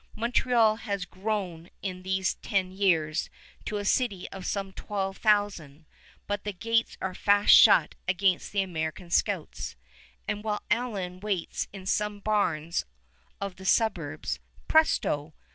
Montreal has grown in these ten years to a city of some twelve thousand, but the gates are fast shut against the American scouts; and while Allen waits in some barns of the suburbs, presto!